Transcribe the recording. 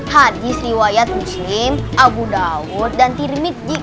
hadis riwayat muslim abu dawud dan tirmidzik